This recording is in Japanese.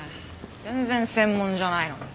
全然専門じゃないのに。